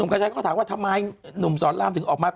มันก็แนะหมดดำ